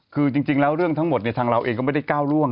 คือจริงแล้วเรื่องทั้งหมดทางเราเองก็ไม่ได้ก้าวล่วง